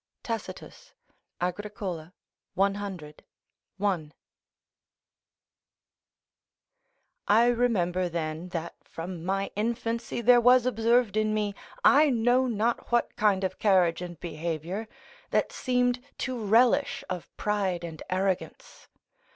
Tacitus, Agricola, c. I.] I remember, then, that from my infancy there was observed in me I know not what kind of carriage and behaviour, that seemed to relish of pride and arrogance.